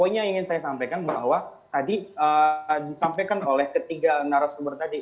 poinnya yang ingin saya sampaikan bahwa tadi disampaikan oleh ketiga narasumber tadi